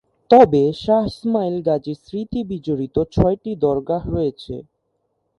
তবে শাহ ইসমাইল গাজীর স্মৃতি বিজড়িত ছয়টি দরগাহ রয়েছে।